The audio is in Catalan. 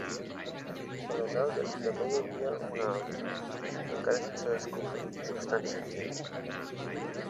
A les algues també hi havia una altra, encara sense descobrir, substància química.